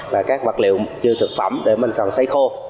và các vật liệu như thực phẩm để mình cần sấy khô